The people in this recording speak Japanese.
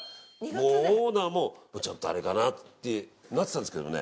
もうオーナーもちょっとあれかなってなってたんですけどね。